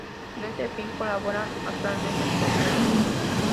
Con este fin colaboran actualmente con Mons.